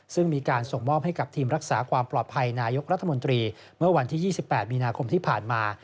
ซึ่งมีการส่งมอบให้กับทีมรักษาความปลอดภัยนายกรัฐมนตรีเมื่อวันที่๒๘มีนาคมที่ผ่านมา